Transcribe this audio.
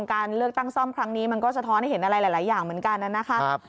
การเลือกตั้งซ่อมครั้งนี้มันก็สะท้อนให้เห็นอะไรหลายอย่างเหมือนกันนะครับ